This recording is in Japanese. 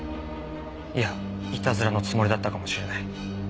いやイタズラのつもりだったかもしれない。